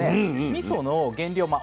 みその原料ま